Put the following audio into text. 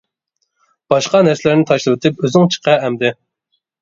باشقا نەرسىلەرنى تاشلىۋېتىپ ئۆزۈڭ چىقە ئەمدى!